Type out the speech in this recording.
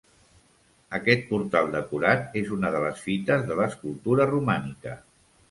Aquest portal decorat és una de les fites de l'escultura romànica.